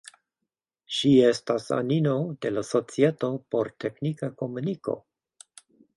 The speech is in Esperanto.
Ŝi estas anino de la Societo por Teknika Komuniko.